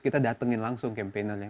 kita datengin langsung campaignernya